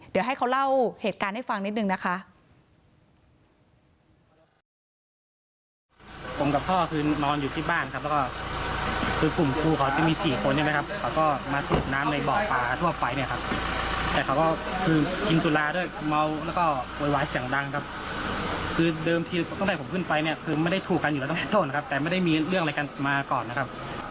เดี๋ยวให้เขาเล่าเหตุการณ์ให้ฟังนิดนึงนะคะ